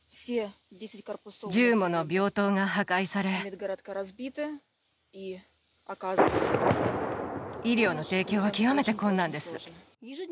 １０もの病棟が破壊され、医療の提供は極めて困難です。